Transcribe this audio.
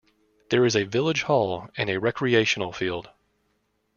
There is a village hall and a recreational field.